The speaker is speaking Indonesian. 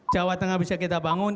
jawa tengah bisa kita bangun